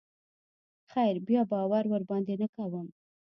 خير بيا به باور ورباندې نه کوم.